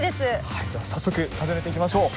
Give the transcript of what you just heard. はいでは早速訪ねていきましょう。